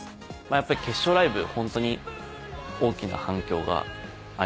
やっぱり決勝ライブホントに大きな反響がありました。